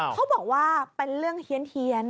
เขาบอกว่าเป็นเรื่องเฮียน